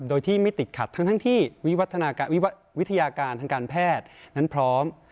โดยที่ไม่ติดขัดทั้งที่วิทยาการทางการแพทย์นั้นพร้อม